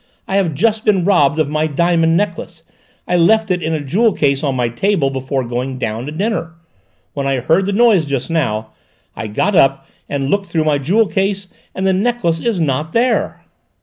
"I have just been robbed of my diamond necklace. I left it in a jewel case on my table before going down to dinner. When I heard the noise just now, I got up and looked through my jewel case, and the necklace is not there."